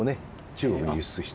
中国に輸出した。